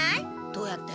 どうやって？